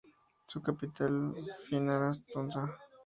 Su capital era Fianarantsoa.